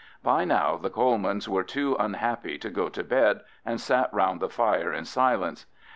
By now the Colemans were too unhappy to go to bed, and sat round the fire in silence.